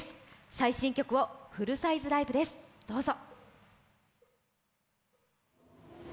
最新曲をフルサイズライブです、どうぞ。